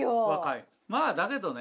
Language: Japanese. まぁだけどね。